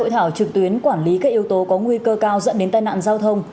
hội thảo trực tuyến quản lý các yếu tố có nguy cơ cao dẫn đến tai nạn giao thông